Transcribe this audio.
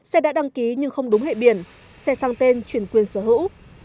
xe đã đăng ký nhưng không đúng hệ biển xe sang tên chuyển quyền sở hữu